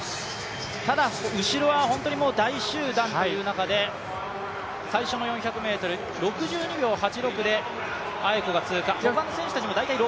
ただ、後ろは大集団という中で最初の４００ｍ、６２秒８６でアエコが通過。